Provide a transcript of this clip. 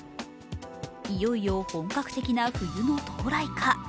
いよいよ本格的な冬の到来か。